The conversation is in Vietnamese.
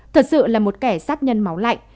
thật sự là một kẻ sát nhân máu lạnh